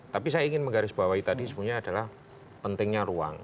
tapi saya ingin menggarisbawahi tadi sebenarnya adalah pentingnya ruang